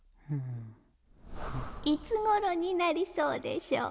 「いつごろになりそうでしょう？